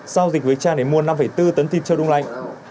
giao dịch với trang để mua năm bốn tấn tiền cho đông lạnh